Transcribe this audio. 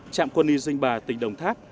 trạm quân y dinh bà tỉnh đồng thác